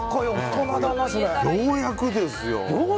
ようやくですよ。